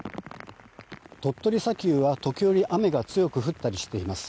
鳥取砂丘は、時折雨が強く降ったりしています。